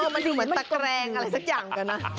มันดูเหมือนตะแกรงอะไรสักอย่างเหมือนกันนะ